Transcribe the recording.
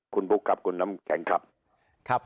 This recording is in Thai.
คุณบุ๊คครับคุณน้ำแข็งครับ